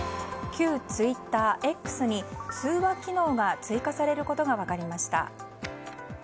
旧ツイッターＸに通話機能が追加されることが分かりました。